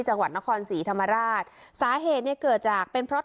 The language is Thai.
จังหวัดนครศรีธรรมราชสาเหตุเนี่ยเกิดจากเป็นเพราะ